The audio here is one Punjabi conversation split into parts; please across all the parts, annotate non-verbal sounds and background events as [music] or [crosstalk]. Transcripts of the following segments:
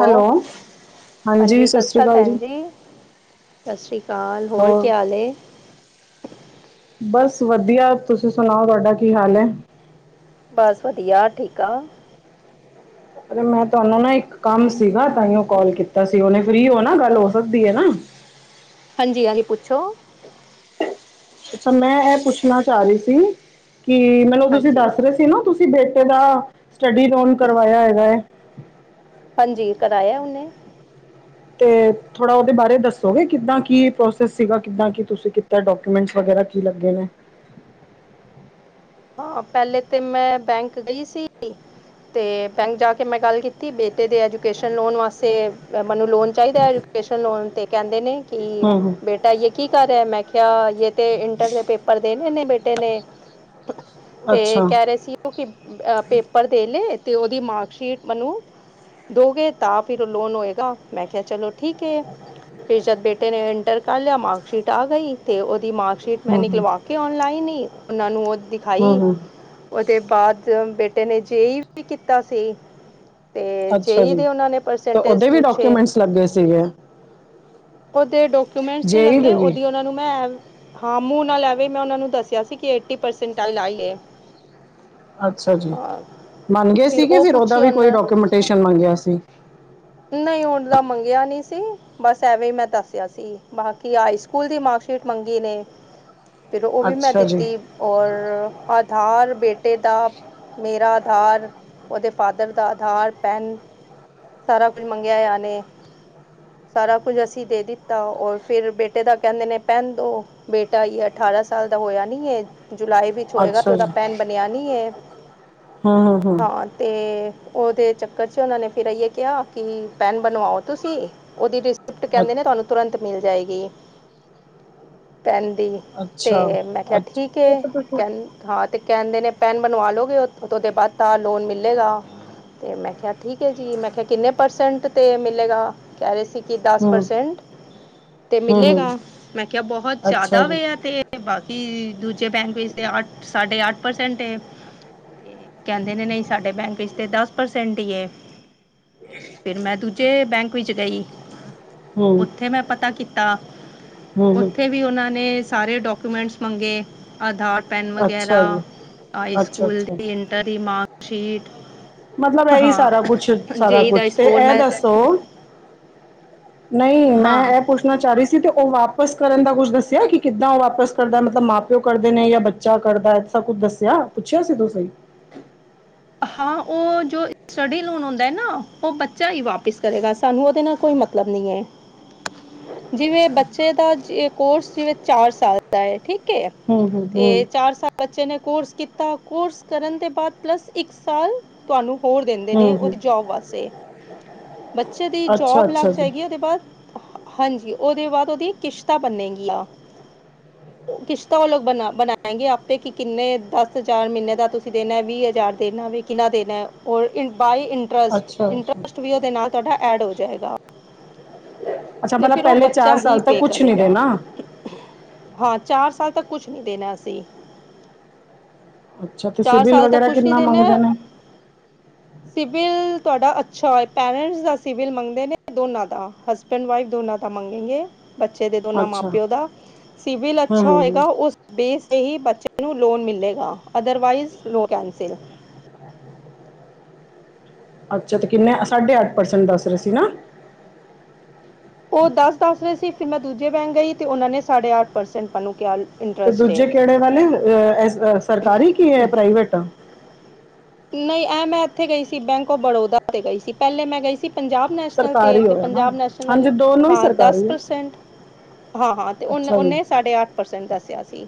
ਹੈਲੋ। ਹਾਂਜੀ ਸਤਿ ਸ਼੍ਰੀ ਅਕਾਲ ਭੈਣ ਜੀ ਸਤਿ ਸ਼੍ਰੀ ਅਕਾਲ ਹੋਰ ਕੀ ਹਾਲ। ਬਸ ਵਧੀਆ ਤੁਸੀਂ ਸੁਣਾਓ ਤੁਹਾਡਾ ਕੀ ਹਾਲ ਹੈ। ਬਸ ਵਧੀਆ ਠੀਕ ਆ। ਮੈਂ ਤੁਹਾਨੂੰ ਨਾ ਇੱਕ ਕੰਮ ਸੀਗਾ ਤਾਂ ਹੀ ਉਹ ਕਾਲ ਕੀਤਾ ਸੀ ਉਹਨੇ। ਫਰੀ ਹੋ ਨਾ ਗੱਲ ਹੋ ਸਕਦੀ ਹੈ ਨਾ? ਹਾਂਜੀ- ਹਾਂਜੀ ਪੁੱਛੋ। ਅੱਛਾ ਮੈਂ ਇਹ ਪੁੱਛਣਾ ਚਾਹ ਰਹੀ ਸੀ ਕਿ ਮੈਨੂੰ ਤੁਸੀਂ ਹਾਂਜੀ ਦੱਸ ਰਹੇ ਸੀ ਨਾ ਤੁਸੀਂ ਬੇਟੇ ਦਾ ਸਟੱਡੀ ਲੋਨ ਕਰਵਾਇਆ ਹੈਗਾ ਹੈ। ਹਾਂਜੀ ਕਰਾਇਆ ਉਹਨੇ। ਤੇ ਥੋੜ੍ਹਾ ਉਹਦੇ ਬਾਰੇ ਦੱਸੋਗੇ ਕਿੱਦਾਂ ਕੀ ਪ੍ਰੋਸੈਸ ਸੀਗਾ ਕਿੱਦਾਂ ਕੀ ਤੁਸੀਂ ਕੀਤਾ ਡਾਕ? ਡੋਕਮੈਂਟ ਵਗੈਰਾ ਕੀ ਲੱਗੇ ਨੇ। ਹਾਂ ਪਹਿਲੇ ਤੇ ਮੈਂ ਬੈਂਕ ਗਈ ਸੀ। ਅਤੇ ਬੈਂਕ ਜਾ ਕੇ ਮੈਂ ਗੱਲ ਕੀਤੀ ਬੇਟੇ ਦੇ ਐਜੂਕੇਸ਼ਨ ਲੋਨ ਵਾਸਤੇ ਮੈਨੂੰ ਲੋਨ ਚਾਹੀਦਾ ਐ। ਕੇਸ਼ਵ ਲੋਨ ਤੇ ਕਹਿੰਦੇ ਨੇ ਹੂੰ ਕਿ ਹੂੰ ਬੇਟਾ ਯੇ ਕੀ ਕਰਹਾ ਮੈਂ ਕਿਹਾ ਯੇ ਤੇ ਇੰਟਰ ਦੇ ਪੇਪਰ ਦੇਣੇ ਨੇ ਬੇਟੇ ਨੇ। ਤੇ ਅੱਛਾ ਕਹਿ ਰਹੇ ਸੀ ਉਹ ਕਿ ਪੇਪਰ ਦੇ ਲਏ ਤੇ ਉਹਦੀ ਮਾਰਕਸ਼ੀਟ ਮਨੂੰ ਦੋਗੇ ਤਾਂ ਫਿਰ ਲੋਨ ਹੋਏਗਾ ਮੈਂ ਕਿਹਾ ਚਲੋ ਠੀਕ ਹੈ ਤੇ ਜਦ ਬੇਟੇ ਨੇ ਇੰਟਰ ਕਰ ਲਿਆ ਮਾਰਕਸ਼ੀਟ ਆ ਗਈ ਤੇ ਉਹਦੀ ਮਾਰਕ ਸ਼ੀਟ ਮੈਂ ਹੂੰ ਹੂੰ ਨਿਕਲਵਾ ਕੇ ਆਨਲਾਈਨ ਹੀ ਉਹਨਾ ਨੂੰ ਉਹ ਹੂੰ ਦਿਖਾਈ ਹੂੰ ਉਹਦੇ ਬਾਅਦ ਬੇਟੇ ਨੇ ਜੇ ਵੀ ਕੀਤਾ ਸੀ ਤੇ ਅੱਛਾ ਜੇਈ ਜੀ ਦੇ ਉਹਨਾਂ ਨੇ ਤੇ ਪਰਸੈਂਟੇਜ ਉਹਦੇ ਵੀ ਪੁੱਛੇ ਡਾਕੂਮੈਂਟਸ ਲੱਗੇ ਸੀਗੇ ਓਦੇ ਡੋਕੂਮੈਂਟਸ ਤੇ ਜੇਈ ਲੱਗੇ ਦੇ ਵੀ ਦੀ ਉਹਨਾ ਨੂੰ ਮੈਂ ਹਾਂ ਮੂੰਹ ਨਾਲ ਐਵੇਂ ਮੈਂ ਉਹ ਨੂੰ ਦੱਸਿਆ ਸੀ ਕਿ ਏਟੀ ਪਰਸਟ [unintelligible] ਅੱਛਾ ਅੱਛਾ ਜੀ ਮੰਨ ਗਏ ਸੀਗੇ ਉਹ ਫਿਰ ਉਹਦਾ ਪੁੱਛੀ ਵੀ ਕੋਈ ਉਹਨਾਂ ਡਾਕੂਮੈਂਟੇਸ਼ਨ ਮੰਗਿਆ ਸੀ ਨਹੀਂ ਹਣ [unintelligible] ਦਾ ਮੰਗਿਆ ਨਹੀਂ ਸੀ। ਬਸ ਐਵੇਂ ਹੀ ਮੈਂ ਦੱਸਿਆ ਸੀ ਬਾਕੀ ਹਾਈ ਸਕੂਲ ਦੀ ਮਾਰਕਸ਼ੀਟ ਮੰਗੀ ਨੇ ਫਿਰ ਉਹ ਵੀ ਮੈਂ ਅੱਛਾ ਜੀ ਦਿੱਤੀ ਔਰ ਆਧਾਰ ਬੇਟੇ ਦਾ ਮੇਰਾ ਆਧਾਰ ਉਹਦੇ ਫਾਦਰ ਦਾ ਆਧਾਰ ਪੈੱਨ ਸਾਰਾ ਕੁੱਝ ਮੰਗਿਆ ਯਾ ਨੇ ਸਾਰਾ ਕੁੱਝ ਅਸੀਂ ਦੇ ਦਿੱਤਾ ਔਰ ਫੇਿਰ ਬੇਟੇ ਦਾ ਕਹਿੰਦੇ ਨੇ ਪੈਨ ਦੋ ਬੇਟਾ ਅਠਾਰਾਂ [unintelligible] ਸਾਲ ਦਾ ਹੋਇਆ ਨੀ ਇਹ ਜੁਲਾਈ ਵਿੱਚ ਹੋਏਗਾ ਤੇ ਅੱਛਾ ਜੀ ਉਹਦਾ ਪੈਨ ਬਣਿਆ ਨਹੀਂ ਹੈ ਹੂੰ ਹੂੰ ਹੂੰ ਹਾਂ ਤੇ ਉਹਦੇ ਚੱਕਰ 'ਚ ਉਹਨਾਂ ਨੇ ਫਿਰ ਅਈਏ ਕਿਹਾ ਕਿ ਪੈੱਨ ਬਣਵਾਓ ਤੁਸੀਂ ਉਹਦੀ ਰਿਸਿਪਟ ਕਹਿੰਦੇ ਨੇ ਅੱਛ- ਤੁਹਾਨੂੰ ਤੁਰੰਤ ਮਿਲ ਜਾਏਗੀ ਪੈਨ ਦੀ ਤੇ ਅੱਛਾ ਮੈਂ ਕਿਹਾ ਅੱਛਾ ਠੀਕ ਏ [unintelligible] ਕਹਿੰ ਹਾਂ ਤੇ ਕਹਿੰਦੇ ਨੇ ਪੈਨ ਬਣਵਾ ਲੋਗੇ ਓ ਉਹਦੇ ਬਾਅਦ ਤਾਂ ਲੋਨ ਮਿਲੇਗਾ ਮੈਂ ਕਿਹਾ ਠੀਕ ਹੈ ਜੀ ਮੈਂ ਕਿਹਾ ਕਿੰਨੇ ਪਰਸੈਂਟ 'ਤੇ ਮਿਲੇਗਾ ਕਹਿ ਰਹੇ ਸੀ ਕਿ ਦਸ ਹੂੰ ਪ੍ਰਸੈਂਟ ਤੇ ਹੂੰ ਹੂੰ ਮਿਲੇਗਾ ਮੈਂ ਕਿਹਾ ਬਹੁਤ ਅੱਛਾ ਜ਼ਿਆਦਾ ਜੀ ਵੇ ਆ ਤੇ ਬਾਕੀ ਦੂਜੇ ਬੈਂਕ ਵਿੱਚ ਤੇ ਅੱਠ ਸਾਡੇ ਅੱਠ ਪਰਸੈਂਟ ਏ ਤੇ ਕਹਿੰਦੇ ਨੇ ਨਹੀਂ ਸਾਡੇ ਬੈਂਕ ਵਿਚ ਤੇ ਦਸ ਪਰਸੈਂਟ ਈ ਏ ਤੇ ਫਿਰ ਮੈਂ ਦੂਜੇ ਬੈਂਕ ਵਿੱਚ ਗਈ ਹੂੰ ਉੱਥੇ ਮੈਂ ਪਤਾ ਕੀਤਾ ਹੂੰ ਹੂੰ ਉੱਥੇ ਵੀ ਉਹਨਾਂ ਨੇ ਸਾਰੇ ਡਾਕੂਮੈਂਟਸ ਮੰਗੇ ਆਧਾਰ ਪੈੱਨ ਅੱਛਾ ਵਗੈਰਾ ਜੀ ਹਾਈ ਅੱਛਾ ਸਕੂਲ ਅੱਛਾ ਦੀ ਇੰਟਰ ਦੀ ਮਾਰਕਸ਼ੀਟ ਮਲਬ ਐਹ ਹੀ ਸਾਰਾ ਕੁਛ ਹਾਂ ਸਾਰਾ ਜੇਈ ਦਾ ਕੁਛ ਤੇ ਸਕੋਰ ਐਹ ਮੈਂ ਦੱਸ ਤੋ ਨਹੀਂ ਹਾਂ ਮੈਂ ਐਪ ਪੁੱਛਣਾ ਚਾਹ ਰਹੀ ਸੀ ਤੇ ਉਹ ਵਾਪਸ ਕਰਨ ਦਾ ਕੁੱਛ ਦੱਸਿਆ ਕਿ ਕਿੱਦਾਂ ਉਹ ਵਾਪਸ ਕਰਦਾ ਮਤਲਲਬ ਮਾਂ ਪਿਓ ਕਰਦੇ ਨੇ ਜਾਂ ਬੱ ਚਾ ਕਰਦਾ ਐ ਐਸਾ ਕੁਝ ਦੱਸਿਆ ਪੁੱਛਿਆ ਸੀ ਤੁਸੀਂ ਹਾਂ, ਓਹ ਜੋ ਸਟੱਡੀ ਲੋਨ ਹੁੰਦੈ ਨਾ ਓਹ ਬੱਚਾ ਹੀ ਵਾਪਿਸ ਕਰੇਗਾ ਸਾਨੂੰ ਓਦੇ ਨਾਲ ਕੋਈ ਮਤ ਮਤਲਬ ਨੀ ਏ ਜਿਵੇਂ ਬੱਚੇ ਦਾ ਜੇ ਕੋਰਸ ਜਿਵੇਂ ਚਾਰ ਸਾਲ ਦਾ ਏ ਠੀਕ ਕੇਐ ਹੂੰ ਹੂੰ ਹੂੰ ਤੇ ਚਾਰ ਸਾਲ ਬੱਚੇ ਨੇ ਕੋਰਸ ਕੀਤਾ, ਕੋਰਸ ਕਰਨ ਦੇ ਬਾਦ ਪਲੱਸ ਇੱਕ ਸਾਲ ਤੁਹਾਨੂੰ ਹੋਰ ਦਿੰਦੇ ਨੇ ਹੂੰ ਔਦੀ ਹੂੰ ਜੋਬ ਵਾਸਤੇ ਬੱਚੇ ਦੀ ਅੱਛਾ ਜੋਬ ਲੱਗ ਅੱਛਾ ਜੀ ਜਾਏਗੀ ਔਦੇ ਬਾਦ ਹਾਂਜੀ, ਔਦੇ ਬਾਦ ਔਦੀ ਕਿਸ਼ਤਾਂ ਬੰਨੇਗੀ ਆ [unintelligible] ਕਿਸ਼ਤਾਂ ਓਹ ਲੋਗ ਬਣਾ ਬਣਾਏਗੇ ਆਪੇ ਕਿ ਕਿੰਨੇ ਦਸ ਹਜ਼ਾਰ ਮੀਨੇ ਦਾ ਤੁਸੀਂ ਦੇਣਾ ਵੀਹ ਹਜ਼ਾਰ ਦੇਣੈ ਵੀ ਕਿੰਨਾ ਦੇਣਾ ਔਰ ਇਨ ਬਾਏ ਇੰਟਰਸਟ ਅੱਛਾ ਅੱਛਾ ਇੰਟਰਸਟ ਵੀ ਔਦੇ ਨਾਲ ਤੁਹਾਡਾ ਐਡ ਹੋ ਜਾਏਗਾ ਅੱਛਾ ਤੇ ਮਤਲਬ ਫਿਰ ਓਹ ਪਹਿਲੇ ਬੱਚਾ ਹੀ ਸਾਲ ਤੱਕ ਪੇ ਕੁਛ ਨਹੀਂ ਕਰੇਗਾ। ਦੇਣਾ ਹਾਂ, ਚਾਰ ਸਾਲ ਤੱਕ ਕੁਛ ਨੀ ਦੇਣਾ ਅਸੀਂ। ਅੱਛਾ ਤੇ ਚਾਰ ਸਿਬਿਲ ਸਾਲ ਤੱਕ ਵਗੈਰਾ ਕੁਛ ਨੀ ਕਿੰਨਾ ਦਿਨਾ ਮੰਗਦੇ ਨੇ ਸਿਬਿਲ ਤੁਹਾਡਾ ਅੱਛਾ ਹੋਏ ਪੈਰੈਂਟਸ ਦਾ ਸਿਵਿਲ ਮੰਗਦੇ ਨੇ, ਦੋਨਾਂ ਦਾ ਹਸ ਹਸਬੈਂਡ ਵਾਈਫ ਦੋਨਾਂ ਦਾ ਮੰਗੇਗੇ। ਬੱਚੇ ਦੇ ਦੋਨਾਂ ਅੱਛਾ ਮਾਂ-ਪਿਓ ਦਾ, ਸਿਵਿਲ ਹੂੰ ਅੱਛਾ ਹੂੰ ਹੂੰ ਹੋਏਗਾ ਓਸ ਬੇਸ ਤੇ ਹੀ ਬੱਚੇ ਨੂੰ ਲੋਨ ਮਿਲੇਗਾ, ਅਦਰਵਾਈਜ਼ ਲੋਨ ਕੈਂਸਿਲ। ਅੱਛਾ, ਤੇ ਕਿੰਨੇ ਸਾਢੇ ਅੱਠ ਪਰਸੈਂਟ ਦੱਸ ਰਹੇ ਸੀ ਨਾ। ਓਹ ਦਸ ਦੱਸ ਰਹੇ ਸੀ ਫਿਰ ਮੈਂ ਦੂਜੇ ਬੈਂਕ ਗਈ ਤੇ ਉਨਾਂ ਨੇ ਸਾਢੇ ਅੱਠ ਪਰਸੈਂਟ ਮੈਨੂੰ ਕਿਹਾ। ਤੇ ਇੰਟਰਸਟ ਹੈ ਦੂਜੇ ਕਿਹੜੇ ਵਾਲੇ ਅ ਐਸ ਸਰਕਾਰੀ ਕੀ ਐ ਪ੍ਰਾਈਵੇਟ? ਨਹੀਂ ਐ ਮੈਂ ਐਥੇ ਗਈ ਸੀ ਬੈਂਕ ਔਫ ਬੜੌਦਾ ਤੇ ਗਈ ਸੀ। ਪਹਿਲੇ ਮੈਂ ਗਈ ਸੀ ਪੰਜਾਬ ਨੈਸ਼ਨਲ ਤੇ ਸਰਕਾਰੀ ਹੋਇਆ ਨਾ ਪੰਜਾਬ ਨੈਸ਼ਨਲ ਵਾਲੇ ਹਾਂਜੀ ਦੋਨੋਂ ਹੀ ਹਾਂ ਦਸ ਸਰਕਾਰੀ ਹੈ ਪ੍ਰਸੈਂਟ। ਹਾਂ ਹਾਂ, ਤੇ ਉਨ ਅੱਛਾ ਜੀ ਉਨੇ ਸਾਡੇ ਅੱਠ ਪਰਸੈਂਟ ਦੱਸਿਆ ਸੀ।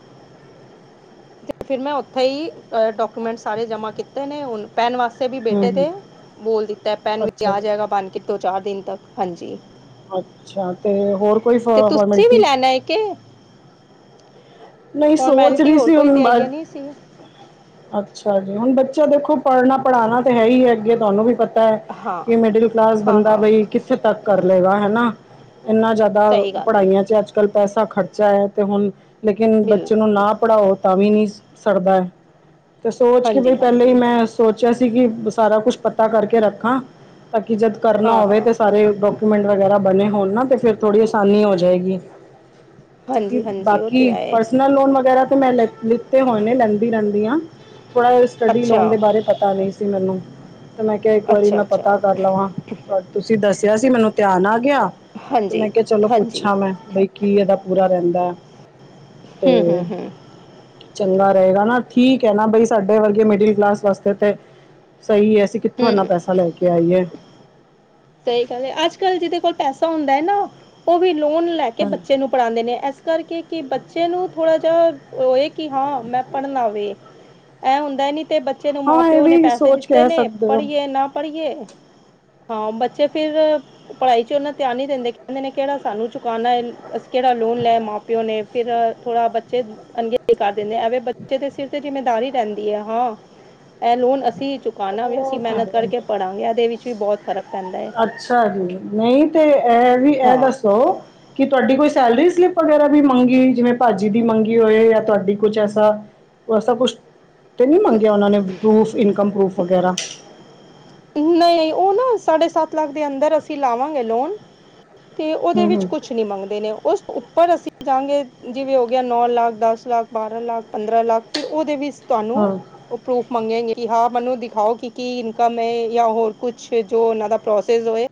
ਤੇ ਫਿਰ ਮੈਂ ਔਥੇ ਹੀ ਅ ਡਾਕੂਮੈਂਟ ਸਾਰੇ ਜਮ੍ਹਾਂ ਕੀਤੇ ਨੇ ਹੁਣ। ਪੈਨ ਵਾਸਤੇ ਵੀ ਬੇਟੇ ਹੂੰ ਦੇ ਬੋਲ ਦਿੱਤਾ ਪੈਨ ਵੀ ਅੱਛਾ ਆ ਜੀ ਜਾਏਗਾ ਬਣ ਕੇ। ਦੋ-ਚਾਰ ਦਿਨ ਤੱਕ, ਹਾਂਜੀ। ਅੱਛਾ ਤੇ ਹੋਰ ਕੋਈ ਫ ਫੋਰਮੈਲਟੀ? ਨਹੀ ਕੇ ਨਹੀਂ ਸੋਚ ਫਾਰਮੈਲਿਟੀ ਰਹੀ ਹੋਰ ਸੀ ਕੋਈ ਹੁਣ ਤੇ ਬਾ ਆਈ ਨਹੀਂ ਸੀ ਅੱਛਾ ਜੀ, ਹੁਣ ਬੱਚਾ ਦੇਖੋ ਪੜ੍ਹਨਾ ਪੜ੍ਹਾਉਣਾ ਤੇ ਹੈ ਹੀ ਏ ਅੱਗੇ, ਤੁਹਾਨੂੰ ਵੀ ਪਤਾ- ਤਾਏ ਹਾਂ ਕਿ ਮਿਡਲ ਕਲਾਸ ਹਾਂ ਬੰਦਾ ਹਾਂ ਬਈ ਕਿੱਥੇ ਤੱਕ ਕਰ ਲਏਗਾ ਹੈਨਾ ਇੰਨਾ ਜਿ ਦਾ ਸਹੀ ਗੱਲ ਹੈ ਪੜ੍ਹਾਈਆਂ ਚ ਅੱਜ-ਕੱਲ ਪੈਸਾ ਖਰਚਾ ਹੈ, ਤੇ ਹੁਣ ਲੇਕਿਨ ਬਿਲ ਬੱਚੇ ਨੂੰ ਨਾ ਪੜ੍ਹਾਓ ਤਾਂ ਵੀ ਨੀ ਸਰਦਾ ਤੇ ਸੋਚ ਕੇ ਬਈ ਹਾਂਜੀ ਪਹਿਲੇ ਹੀ ਹਾਂਜੀ ਮੈਂ ਸੋਚਿਆ ਸੀ ਕਿ ਸਾਰਾ ਕੁਛ ਪਤਾ ਕਰਕੇ ਰੱਖਾਂ ਤਾਂ ਕਿ ਜਦ ਕਰਨਾ ਹਾਂ ਹੋਵੇ ਹਾਂ ਤਾਂ ਸਾਰੇ ਡੋਕ ਮੈੰਟ ਵਗੈਰਾ ਬਣੇ ਹੋਣ ਨਾ ਫੇਰ ਥੋੜ੍ਹੀ ਆਸਾਨੀ ਹੋ ਜਾਏਗੀ। ਹਾਂਜੀ ਹਾਂਜੀ, ਓਹ ਕਿ ਪਰਸਨਲ ਲੋਨ ਵਗੈਰਾ ਤੇ ਮੈਂ ਲ ਲਿੱਤੇ ਹੋਏ ਨੇ ਲੈਂਦੀ ਰਹਿੰਦੀ ਆਂ। ਥੋੜਾ ਜਾ ਸਟੱਡੀ ਅੱਛਾ ਲੋਨ ਦੇ ਬਾਰੇ ਪਤਾ ਨਹੀਂ ਸੀ ਮੈਨੂੰ, ਤੇ ਮੈਂ ਕਿਹਾ ਇੱਕ ਵਾਰੀ ਅੱਛਾ ਮੈਂ ਪਤਾ ਅੱਛਾ ਕਰ ਲਵਾਂ। ਤਦ ਤੁਸੀਂ ਦੱਸਿਆ ਸੀ ਮੈਨੂੰ ਧਿਆਨ ਆ ਗਿਆ, ਤੇ ਹਾਂਜੀ ਮੈਂ ਕਿਹਾ ਚਲੋ ਹਾਂਜੀ ਪੁੱਛਾਂ ਮੈਂ ਬਈ ਕੀ ਇਹਦਾ ਪੂਰਾ ਰਹਿੰਦਾ ਤੇ ਹੂੰ ਹੂੰ ਹੂੰ ਚੰਗਾ ਰਹੇਗਾ ਨਾ ਠੀਕ ਹੈ ਨਾ ਬਈ ਸਾਡੇ ਵਰਗੇ ਮਿਡਲ ਕਲਾਸ ਵਾਸਤੇ ਤੇ ਸਹੀ ਹੈ ਅਸੀਂ ਕਿੱਥੋਂ ਇੰਨਾ ਹੂੰ ਪੈਸਾ ਲੈ ਕੇ ਆਈਏ। ਸਹੀ ਗੱਲ ਹੈ, ਅੱਜ-ਕੱਲ ਜਿਦੇ ਕੋਲ ਪੈਸਾ ਹੁੰਦਾ ਨਾ ਓਹ ਵੀ ਲੋਨ ਲੈ ਕੇ ਹਾਂ ਬੱਚੇ ਨੂੰ ਪੜਾਉਦੇ ਨੇ ਐਸ ਕਰਕੇ ਕਿ ਬੱਚੇ ਨੂੰ ਥੋੜ੍ਹਾ ਜਾ ਹੋਏ ਕਿ ਹਾਂ ਮੈਂ ਪੜ੍ਹਨਾ ਵੇ। ਐਹ ਹੁੰਦਾ ਨੀ ਤੇ ਬੱ ਬੱਚੇ ਨੂੰ ਹਾਂ ਇਹ ਮਾਂ-ਪਿਓ ਨੇ ਵੀ ਪੈਸੇ ਸੋਚ ਦਿੱਤੇ ਕਹਿ ਨੇ ਸਕਦੇ ਹੋ ਪੜ੍ਹੀਏ ਨਾ ਪੜ੍ਹੀਏ, ਹਾਂ ਬੱਚ ਚ ਫਿਰ ਪੜ੍ਹਾਈ 'ਚ ਉਨਾਂ ਧਿਆਨ ਨੀ ਦੇੰਦੇ ਕਹਿੰਦੇ ਨੇ ਕਿਹੜਾ ਸਾਨੂੰ ਚੁਕਾਣਾ ਏ। ਅਸ ਕਿਹੜਾ ਲੋਨ ਲੈ ਮਾਂ-ਪਿਓ ਨੇ, ਫਿਰ ਥੋੜ੍ਹਾ ਬੱਚੇ ਚ ਅਣਦੇਖਾ ਕਰ ਦਿੰਦੇ ਐਵੇ ਬੱਚੇ ਦੇ ਸਿਰ ਤੇ ਜਿੰਮੇਦਾਰੀ ਪੈੰਦੀ ਏ, ਹਾਂ। ਐਹ ਲੋਨ ਅਸੀਂ ਚੁਕਾਣਾ ਦੇ, ਉਹ ਅਸੀਂ ਤਾਂ ਮਿਹਨਤ ਹੈ ਕਰਕੇ ਪੜਾਂਗੇ ਐਦੇ ਵਿੱਚ ਵੀ ਬਹੁਤ ਫ਼ਰਕ ਪੈਂਦਾ ਏ। ਅੱਛਾ ਜੀ, ਨਹੀਂ ਤੇ ਐਹ ਵੀ ਐ ਹਾਂ ਦੱਸੋ ਕਿ ਤੁਹਾਡੀ ਕੋਈ ਸੈਲਰੀ ਸਲਿੱਪ ਵਗੈਰਾ ਵੀ ਮੰਗੀ ਜਿਵੇਂ ਭਾਜੀ ਦੀ ਮੰਗੀ ਹੋਏ ਜਾਂ ਤੁਹਾਡੀ ਕੁਛ ਐਸਾ ਐਸਾ ਕੁਛ ਤੇ ਨਹੀਂ ਮੰਗਿਆ ਉਹਨਾਂ ਨੇ ਪਰੂਫ ਇਨਕਮ ਪਰੂਫ ਵਗੈਰਾ ਨਹੀਂ -ਨਹੀਂ ਉਹ ਨਾ ਸਾਢੇ ਸੱਤ ਲੱਖ ਦੇ ਅੰਦਰ ਅਸੀਂ ਲਾਵਾਂਗੇ ਲੋਨ ਤੇ ਉਹਦੇ ਹੂੰ ਵਿੱਚ ਹੂੰ ਕੁਛ ਨਹੀਂ ਮੰਗਦੇ ਨੇ ਉਸ ਉੱਪਰ ਅਸੀਂ ਜਾਵਾਂਗੇ ਜਿਵੇਂ ਹੋ ਗਿਆ ਨੌ ਲੱਖ, ਦਸ ਲੱਖ, ਬਾਰਾਂ ਲੱਖ, ਪੰਦਰਾਂ ਲੱਖ ਫਿਰ ਉਹਦੇ ਵਿੱਚ ਤੁਹਾਨੂੰ ਹਾਂ ਉਹ ਪਰੂਫ ਮੰਗਗੇ ਕਿ ਹਾਂ ਮੈਨੂੰ ਦਿਖਾਓ ਕਿ ਕੀ ਇਨਕਮ ਹੈ ਜਾਂ ਹੋਰ ਕੁਛ ਜੋ ਉਹਨਾਂ ਦਾ ਪ੍ਰੋਸੈਸ ਹੋਏ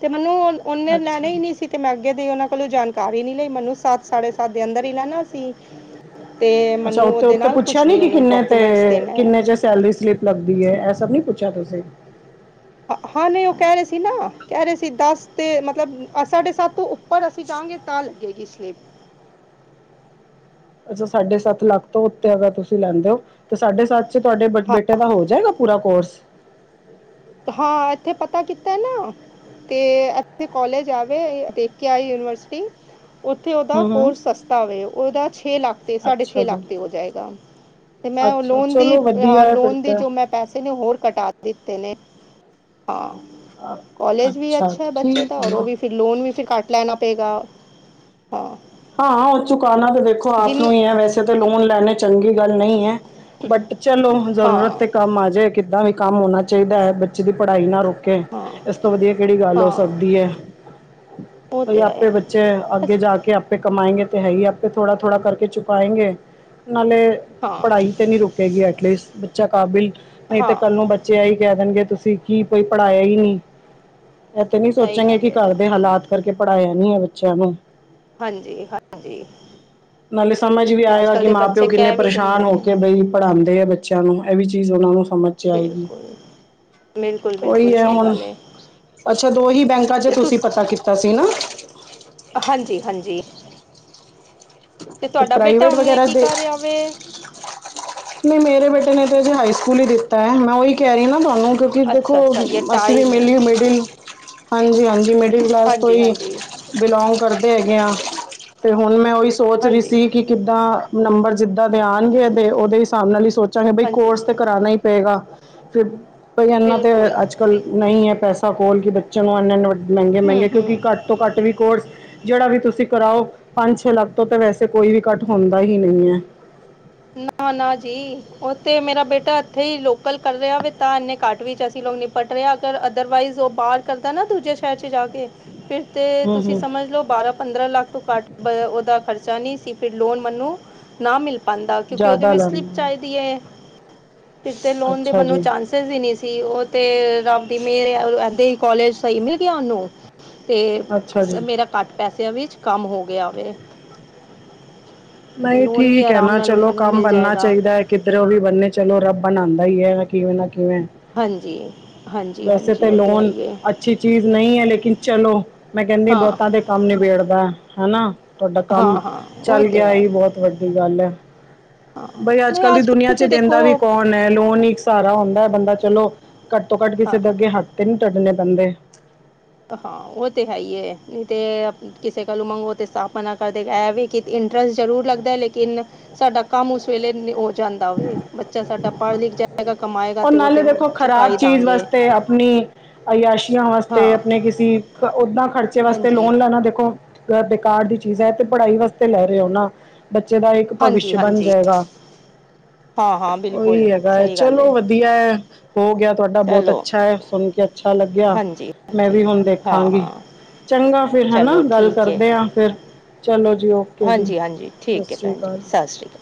ਤੇ ਮੈਨੂੰ ਉਹਨੇ ਅੱਛਾ ਲੈਣੇ ਹੀ ਨੀ ਸੀ ਤੇ ਮੈਂ ਅੱਗੇ ਦੀ ਉਹਨਾਂ ਕੋਲੋਂ ਜਾਣਕਾਰੀ ਨੀ ਲਈ ਮੈਨੂੰ ਸੱਤ ਸਾਡੇ ਸਾਤ ਦੇ ਅੰਦਰ ਹੀ ਲੈਣਾ ਸੀ ਤੇ ਅੱਛਾ ਮੈਨੂੰ ਉੱਤੇ ਉਹਦੇ ਉੱਤੇ ਨਾਲ ਪੁੱਛਿਆ ਕੁਛ ਨੀ ਨਹੀਂ ਕਿ ਉਹਨੂੰ ਕਿੰਨੇ ਤੇ ਡਾਕੂਮੈਂਟ ਕਿੰਨੇ ਚ ਸੈਲਰੀ ਸਲਿਪ ਲੱਗਦੀ ਹੈ, ਇਹ ਸਭ ਨੀ ਪੁੱਛਿਆ ਤੁਸੀਂ ਹਾਂ ਨਹੀਂ ਉਹ ਕਹਿ ਰਹੇ ਸੀ ਨਾ ਕਹਿ ਰਹੇ ਸੀ ਦਸ ਤੇ ਮਤਲਬ ਸਾਢੇ ਸੱਤ ਤੋਂ ਉੱਪਰ ਅਸੀਂ ਜਾਵਾਂਗੇ ਤਾਂ ਲੱਗੇਗੀ ਸਲਿੱਪ ਅੱਛਾ ਸਾਢੇ ਸੱਤ ਲੱਖ ਤੋਂ ਉੱਤੇ ਅਗਰ ਤੁਸੀਂ ਲੈਂਦੇ ਹੋ ਤੇ ਸਾਡੇ ਸੱਤ ਚ' ਤੁਹਾਡੇ ਹਾਂ ਬੇਟੇ ਦਾ ਹੋ ਜਾਏਗਾ ਪੂਰਾ ਕੋਰਸ। ਹਾਂ ਇੱਥੇ ਪਤਾ ਕੀਤਾ ਨਾ ਤੇ ਇਥੇ ਕਾਲਜ ਆਵੇ ਦੇਖ ਕੇ ਆ ਯੂਨੀਵਰਸਿਟੀ। ਉਓਥੇ ਓਦਾ ਹੂੰ ਹੂੰ ਕੋਰਸ ਸਸਤਾ ਹੋ ਓਦਾ ਛੇ ਲੱਖ ਤੇ ਸਾਡੇ ਅੱਛਾ ਛੇ ਜੀ ਲੱਖ ਤੇ ਹੋ ਜਾਵੇਗਾ। ਤੇ ਮੈਂ ਉਹ ਅੱਛਾ ਲੋਨ ਦੀ ਚਲੋ ਹਾਂ ਵਧੀਆ ਹੈ ਫਿਰ ਲੋਨ ਦੇ ਤਾਂ ਜੋ ਮੈਂ ਪੈਸੇ ਨੇ ਹੋਰ ਕਟਾ ਦਿੱਤੇ ਨੇ। ਹਾਂ, ਕੋਲੇਜ ਵੀ ਅੱਛਾ ਹੈ ਠੀਕ ਬੱਚੇ ਦਾ ਹੈ ਔਰ ਉਹ ਨਾ ਵੀ ਫਿਰ ਲੋਨ ਵੀ ਫਿਰ ਕੱਟ ਲੈਣਾ ਪਏਗਾ। ਹਾਂ ਹਾਂ। ਉਹ ਚੁਕਾਨਾ ਤੇ ਦੇਖੋ ਆਪ ਜਿੰਨ ਨੂੰ ਹੀ ਹੈ ਵੈਸੇ ਤਾਂ ਲੋਨ ਲੈਣੇ ਚੰਗੀ ਗੱਲ ਨਹੀਂ ਹੈ। ਬਟ ਚਲੋ ਜ਼ਰੂਰਤ ਹਾਂ ਤੇ ਕੰਮ ਆ ਜਾਏ ਕਿੱਦਾਂ ਵੀ ਕੰਮ ਹੋਣਾ ਚਾਹੀਦਾ ਹੈ ਬੱਚੇ ਦੀ ਪੜ੍ਹਾਈ ਨਾ ਰੁਕ ਹਾਂ ਇਸ ਤੋਂ ਵਧੀਆ ਕਿਹੜੀ ਗੱਲ ਹੋ ਹਾਂ ਸਕਦੀ ਹੈ। ਉਹ ਭ ਤੇ ਆਪੇ ਬੱਚੇ ਹੈ ਅੱਗੇ ਜਾ ਕੇ ਆਪੇ ਕਮਾਏਂਗੇ ਅਤੇ ਹੈ ਹੀ ਆਪੇ ਥੋੜ੍ਹਾ- ਥੋੜ੍ਹਾ ਕਰਕੇ ਚੁਕਾਏਂਗੇ। ਨਾਲੇ ਹਾਂ ਪੜ੍ਹਾਈ ਤੇ ਨੀ ਰੁਕੇਗੀ ਐਟਲੀਸਟ ਬੱਚਾ ਕਾਬਿਲ ਨਹੀਂ। ਤੇ ਹਾਂ ਕੱਲ ਨੂੰ ਬੱਚੇ ਹੀ ਕਹਿ ਦੇਣਗੇ ਤੁਸੀਂ ਕੀ ਕੋਈ ਪੜ੍ਹਾਇਆ ਹੀ ਨਹੀਂ। ਇਥ ਨੀ ਸਹੀ ਸੋਚਾਂਗੇ ਗੱਲ ਕਿ ਹੈ ਘਰ ਦੇ ਹਾਲਾਤ ਕਰਕੇ ਪੜ੍ਹਾਇਆ ਨੀ ਹੈ ਬੱਚਿਆਂ ਨੂੰ। ਹਾਂਜੀ- ਹਾਂਜੀ। ਨਾਲੇ ਸਮਝ ਵੀ ਅੱਜ ਆਏਗਾ ਕੱਲ੍ਹ ਕਿ ਦੇ ਮਾਂ -ਪਿਓ ਬੱਚੇ ਕਿੰਨੇ ਕਹਿ ਵੀ ਦਿੰਦੇ ਪਰੇਸ਼ਾਨ ਹੋ ਨੇ ਕੇ ਬਈ। ਪੜ੍ਹਾਉਂਦੇ ਆ ਬੱਚਿਆਂ ਨੂੰ ਇਹ ਵੀ ਚੀਜ਼ ਉਹਨਾਂ ਨੂੰ ਸਮਝ 'ਚ ਆਏਗੀ। ਬਿਲਕੁਲ -ਬਿਲਕੁਲ -ਬਿਲਕੁਲ ਉਹੀ ਸਹੀ ਹੁਣ ਗੱਲ ਹੈ। ਅੱਛਾ, ਦੋ ਹੀ ਬੈਂਕਾਂ ਚ' ਤੇ ਤੁਸੀਂ ਤੁਸ ਪਤਾ ਕੀਤਾ ਸੀ ਨਾ। ਹਾਂਜੀ- ਹਾਂਜੀ। ਤੇ ਤੁਹਾਡਾ ਬੇਟਾ ਪ੍ਰਾਈਵੇਟ ਹਨੀ ਆ ਵਗੈਰਾ ਕੀ ਦੇ ਕਰ ਰਿਹਾਵੇ। ਨਹੀਂ, ਮੇਰੇ ਬੇਟੇ ਨੇ ਤੇ ਅਜੇ ਹਾਈ ਸਕੂਲ ਹੀ ਦਿੱਤਾ ਹੈ ਮੈਂ ਉਹੀ ਕਹਿ ਰਹੀ ਨਾ। ਤੁਹਾਨੂੰ ਕਿ ਕਿ ਦੇਖੋ ਅੱਛਾ ਅੱਛਾ ਯੇ ਅਸੀਂ ਵੀ ਟਾਈਮ ਏ ਮਿਲੀਓ ਮਿਡਲ ਹਾਂਜੀ- ਹਾਂਜੀ ਮਿਡਲ ਕਲਾਸ ਤੋਂ ਹਾਂਜੀ ਹੀ ਹਾਂਜੀ ਬਿਲੋਂਗ ਕਰਦੇ ਹੈਗੇ ਹਾਂ। ਤੇ ਹੁਣ ਮੈਂ ਉਹੀ ਸੋਚ ਰਹੀ ਹਾਂਜੀ ਸੀ ਕਿ ਕਿੱਦਾਂ ਨੰਬਰ ਜਿੱਦਾਂ ਦੇ ਆਉਣਗੇ ਤੇ ਉਹਦੇ ਹਿਸਾਬ ਨਾਲ ਹੀ ਸੋਚਾਂਗੇ ਬਈ ਹਾਂਜੀ ਕੋਰਸ ਕਰਾਣਾ ਹੀ ਪਏਗਾ। ਫਿਰ ਬਈ ਇਹਨਾਂ ਤੇ ਬਿਲਕੁਲ ਅੱਜ ਕੱਲ ਨਹੀਂ ਹੈ ਪੈਸਾ ਖੋਲ੍ਹ ਕਿ ਬੱਚਿਆਂ ਨੂੰ ਇੰਨੇ -ਇੰਨ ਵ ਮਹਿੰਗੇ- ਹੂੰ ਮਹਿੰਗੇ ਹੂੰ ਕਿਉਂਕਿ ਘੱਟ ਤੋਂ ਘੱਟ ਵੀ ਕੋਰਸ ਜਿਹੜਾ ਵੀ ਤੁਸੀਂ ਕਰਾਓ। ਪੰਜ -ਛੇ ਲੱਖ ਤੋਂ ਤਾਂ ਵੈਸੇ ਕੋਈ ਵੀ ਘੱਟ ਹੁੰਦਾ ਹੀ ਨਹੀਂ ਹੈ। ਨਾ- ਨਾ ਜੀ। ਉਥੇ ਮੇਰਾ ਬੇਟਾ ਇੱਥੇ ਹੀ ਲੋਕਲ ਕਰ ਰਿਹਾ ਵ ਤਾਂ ਇੰਨੇ ਕਾਟ ਵਿੱਚ ਅਸੀਂ ਲੋਕ ਨਿਪਟ ਰਿਹਾ। ਅਦਰਵਾਈਜ਼ ਉਹ ਬਾਹਰ ਕਰਦਾ ਨਾ ਦੂਜੇ ਸ਼ਹਿਰ ਚ' ਜਾ ਕੇ ਫਿਰ ਤੇ ਹੂੰ ਤੁਸੀਂ ਹੂੰ ਸਮਝ ਲਓ ਬਾਰਾਂ ਪੰਦਰਾਂ ਲੱਖ ਤੋਂ ਘੱਟ ਉਹਦਾ ਖਰਚਾ ਨਹੀਂ ਸੀ ਫਿਰ ਲੋਨ ਮੈਨੂੰ ਨਾ ਮਿਲ ਕਿਉਂਕਿ ਜ਼ਿਆਦਾ ਉਹ ਸ ਲੈਂਦਾ ਚਾਹੀਦੀ ਲੋਨ ਦੇ ਅੱਛਾ ਮੈਨੂਰ ਜੀ ਚ ਦਿਨੀ ਸੀ ਉਹ ਤੇ ਰਬ ਦੀ ਮੇਹਰੇਹਿੰਦੇ ਸੀ ਕੋਾਲਜ ਸਹੀ ਮਿਲ ਗਿਆ ਉਹਨੂੰ। ਅਤੇ ਅੱਛਾ ਜੀ ਮੇਰਾ ਘੱਟ ਪੈਸਿਆਂ ਵਿੱਚ ਕੰਮ ਹੋ ਗਿਆ ਵਵੇ। ਨਹੀਂ ਲੋਨ ਵੀ ਠੀਕ ਹੈ ਆਰਾਮ ਨਾ ਨਾਲ ਹੁਣ ਚਲੋ ਮੈਨੂੰ ਕੰਮ ਮਿਲ ਬਣਨਾ ਜਾਏਗਾ ਚਾਹੀਦਾ। ਕਿੱਧਰੋਂ ਵੀ ਬੰਨੇ ਚਲੋ ਰੱਬ ਬਣਉਂਦਾ ਹੀ ਹੈ ਕਿਵੇਂ ਨਾ ਕਿਵੇਂ। ਹਾਂਜੀ- ਹਾਂਜੀ ਵੈਸੇ -ਹਾਂਜੀ ਉਹ ਤਾਂ ਲੋਨ ਆਈਏ। ਅੱਛੀ ਚੀਜ਼ ਨਹੀਂ ਹੈ ਲੇਕਿਨ ਚਲੋ ਮੈਂ ਕਹਿੰਦੀ ਹਾਂ ਬਹੁਤਾ ਦੇ ਕੰਮ ਨਿਬੇੜਦਾ ਹਨਾ। ਤੁਹਾਡਾ ਕੰਮ ਹਾਂ ਹਾਂ ਉਹ ਚੱਲ ਗਿਆ। ਤੇ ਹੈ ਇਹ ਬਹੁਤ ਵੱਡੀ ਗੱਲ ਹੈ ਬਈ ਅੱਜ ਨਹੀਂ ਕੱਲ ਦੀ ਦੁਨੀਆਂ ਕੱਲ੍ਹ ਚ' ਤਾਂ ਦੇਖੋ ਦਿੰਦਾ ਵੀ ਕੌਣ। ਲੋਨ ਹੀ ਇੱਕ ਸਾਰਾ ਹੁੰਦਾ ਬੰਦਾ ਚਲੋ, ਘੱਟ ਤੋਂ ਘੱਟ ਕਿਸੇ ਹਾਂ ਦੇ ਅੱਗੇ ਹੱਥ ਤੇ ਨੀ ਟੱਟਨੇ ਪੈਂਦੇ। ਹਾਂ, ਉਹ ਤੇ ਹੈ ਹੀ ਨਹੀਂ ਤੇ ਕਿਸੇ ਕੱਲੋਂ ਮੰਗੋ ਤੇ ਸਥ ਮਨਾ ਕਰਦੇ ਕਿ ਇੰਟਰਸਟ ਜ਼ਰੂਰ ਲੱਗਦਾ ਲੇਕਿਨ ਸਾਡਾ ਕੰਮ ਉਸ ਵੇਲੇ ਹੋ। ਜਾਂਦਾ ਹੋਵੇ। ਬੱਚਾ ਸਾਡਾ ਪੜ੍ਹ -ਲਿਖ ਜਾਏਗਾ, ਕਮਾਏਗਾ ਔਰ ਅਤੇ ਉਹ ਨਾਲੇ ਤਾਂ ਦੇਖੋ ਖਰਾਬ ਚੁਕਾਈ ਚੀਜ਼ ਦਾਂਗੇ। ਵਾਸਤੇ ਆਪਣੀ ਅਯਾਸ਼ੀਆਂ ਵਾਸਤੇ, ਹਾਂ ਆਪਣੇ ਕਿਸੇ ਓਦਾਂ ਖ਼ਰਚੇ ਵਾਸਤੇ ਹਾਂਜੀ ਲੋਨ ਲੈਣਾ ਦੇਖੋ। ਅ ਬੇਕਾਰ ਦੀ ਚੀਜ਼ ਹੈ ਤੇ ਪੜ੍ਹਾਈ ਵਾਸਤੇ ਲੈ ਰਹੇ ਹੋ ਨਾ। ਬੱਚੇ ਦਾ ਇੱਕ ਭਵਿਸ਼ ਹਾਂਜੀ ਬਣ ਹਾਂਜੀ ਜਾਏਗਾ। ਹਾਂ -ਹਾਂ। ਬਿਲਕੁਲ ਉਹੀ ਹੈਗਾ ਹੈ, ਸਹੀ ਗੱਲ ਚਲੋ ਵਧੀਆ ਹੈ, ਹੋ ਗਿਆ ਤੁਹਾਡਾ ਬਹੁਤ ਚਲੋ ਅੱਛਾ ਹੈ, ਸੁਣ ਕੇ ਅੱਛਾ ਲੱਗਿਆ, ਹਾਂਜੀ ਮੈਂ ਹਾਂਜੀ ਵੀ ਹੁਣ ਹਾਂ ਦੇਖਾਂਗੀ। ਹਾਂ ਚੰਗਾ ਫਿਰ ਹੈਨਾ, ਚਲੋ ਗੱਲ ਠੀਕ ਹੈ ਕਰਦੇ ਹਾਂ ਫਿਰ ਚਲੋ ਜੀ ਓਕੇ ਜੀ, ਹਾਂਜੀ ਹਾਂਜੀ ਸਤਿ ਠੀਕ ਹੈ ਸ਼੍ਰੀ ਭੈਣ ਜੀ ਅਕਾਲ ਸਤਿ ਸ਼੍ਰੀ ਅਕਾਲ